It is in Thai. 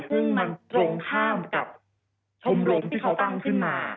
ซึ่งมันตรงข้ามกับชมรมที่เขาตั้งขึ้นมา